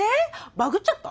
バグっちゃった？